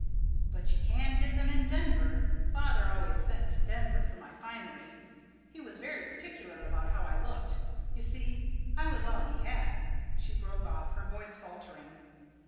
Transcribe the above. "But you can get them in Denver. Father always sent to Denver for my finery. He was very particular about how I looked. You see, I was all he had " She broke off, her voice faltering.